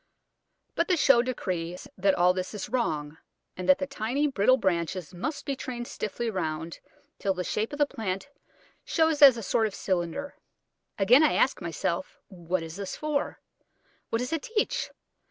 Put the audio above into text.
But the show decrees that all this is wrong, and that the tiny, brittle branches must be trained stiffly round till the shape of the plant shows as a sort of cylinder. Again I ask myself, What is this for? What does it teach?